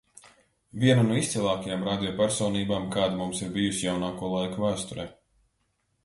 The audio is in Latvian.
Viena no izcilākajām radio personībām, kāda mums ir bijusi jaunāko laiku vēsturē.